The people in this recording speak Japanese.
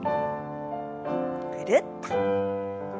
ぐるっと。